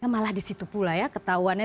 malah disitu pula ya ketahuannya